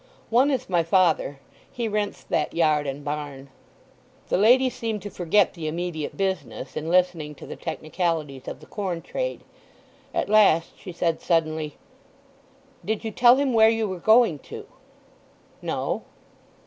"One is my father. He rents that yard and barn." The lady seemed to forget the immediate business in listening to the technicalities of the corn trade. At last she said suddenly, "Did you tell him where you were going to?" "No."